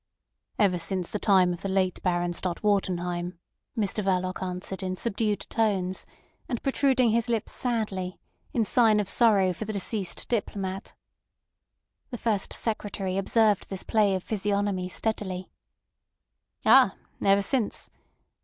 "Ever since the time of the late Baron Stott Wartenheim," Mr Verloc answered in subdued tones, and protruding his lips sadly, in sign of sorrow for the deceased diplomat. The First Secretary observed this play of physiognomy steadily. "Ah! ever since.